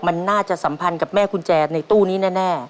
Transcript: มันน่าจะสัมพันธ์กับแม่กุญแจในตู้นี้แน่